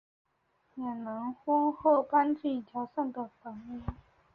两人婚后搬进桥上的房屋。